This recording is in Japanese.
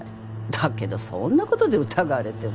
だけどそんなことで疑われても。